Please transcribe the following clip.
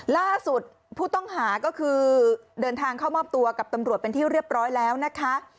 ล่าสุดผู้ต้องหาก็คือเดินทางเข้ามอบตัวกับตำรวจเป็นที่เรียบร้อยแล้วนะคะ